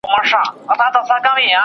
دا خواړه له هغو تازه دي.